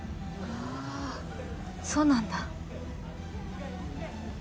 ああそうなんだ。